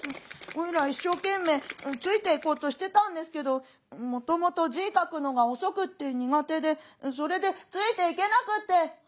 おいら一生懸命ついていこうとしてたんですけどもともと字書くのが遅くって苦手でそれでついていけなくて」。